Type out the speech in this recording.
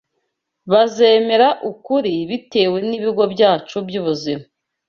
bazemera ukuri bitewe n’ibigo byacu by’ubuzima